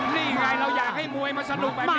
นี่ไงเราอยากให้มวยมาสนุกแบบนี้